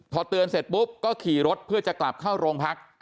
พอเตือนเสร็จปุ๊บก็ขี่รถเพื่อจะกลับเข้าโรงพัก